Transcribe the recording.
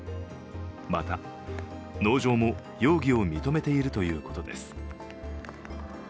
また、農場も容疑を認めているということです。